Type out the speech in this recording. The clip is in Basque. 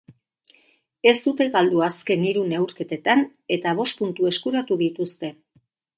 Ez dute galdu azken hiru neurketetan, eta bost puntu eskuratu dituzte.